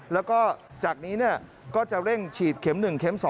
แล้วก็จากนี้ก็จะเร่งฉีดเข็ม๑เม็ม๒